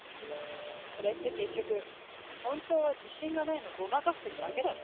それって結局本当は自信がないのごまかしてるだけだろ。